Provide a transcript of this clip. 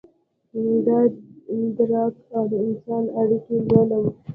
دادراک اودانسان اړیکې لولم